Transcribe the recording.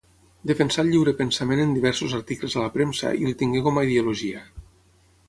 Defensà el lliurepensament en diversos articles a la premsa i el tingué com a ideologia.